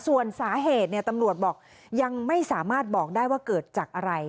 ส่วนสาเหตุตำรวจบอกยังไม่สามารถบอกได้ว่าเกิดจากอะไร